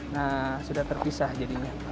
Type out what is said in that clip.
nah sudah terpisah jadinya